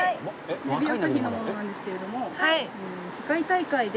テレビ朝日の者なんですけれども。